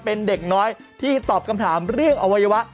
เป็นเด็กน้อยที่ตอบคำถามเรื่องอวัยวะ